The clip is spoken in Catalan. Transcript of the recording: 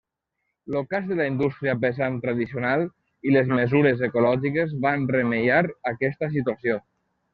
L'ocàs de la indústria pesant tradicional i les mesures ecològiques van remeiar aquesta situació.